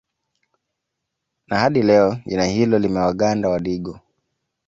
Na hadi leo jina hilo limewaganda Wadigo